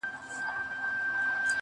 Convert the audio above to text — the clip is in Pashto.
ټول کندهار کي يو لونگ دی، دی غواړي